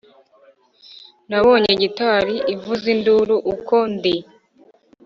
nabonye gitari ivuza induru uko ndi